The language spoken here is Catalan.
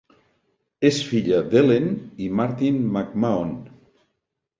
És filla d'Helen i Martin McMahon.